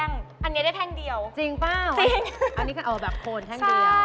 มันก็แล้วคือคือ